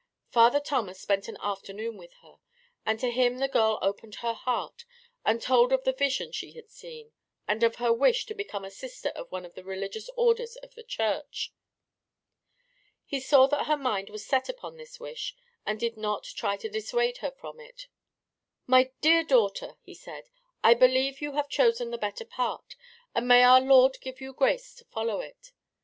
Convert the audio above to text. Father Thomas spent an afternoon with her, and to him the girl opened her heart and told of the vision she had seen and of her wish to become a sister of one of the religious orders of the church. He saw that her mind was set upon this wish, and did not try to dissuade her from it. "My dear daughter," he said, "I believe you have chosen the better part, and may our Lord give you grace to follow it.